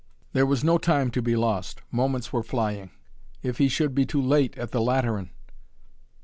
There was no time to be lost. Moments were flying. If he should be too late at the Lateran!